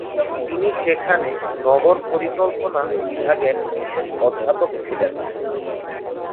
তিনি সেখানে নগর-পরিকল্পনা বিভাগের বিশেষ অধ্যাপক ছিলেন।